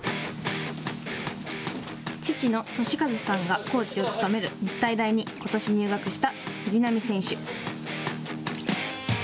父の俊一さんがコーチを務める日体大にことし入学した藤波選手。